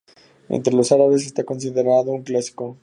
Entre los árabes, está considerado un clásico.